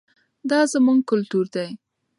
دا زموږ کلتور دی.